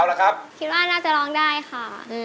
คิดว่าน่าจะร้องได้ค่ะ